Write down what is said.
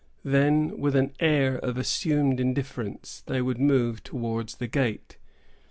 Then, with an air of assumed indifference, they would move towards the gate.